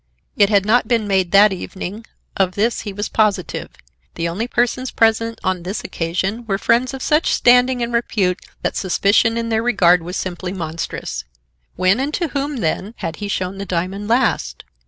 It had not been made that evening. Of this he was positive. The only persons present on this occasion were friends of such standing and repute that suspicion in their regard was simply monstrous. When and to whom, then, had he shown the diamond last?